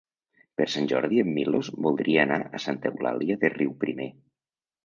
Per Sant Jordi en Milos voldria anar a Santa Eulàlia de Riuprimer.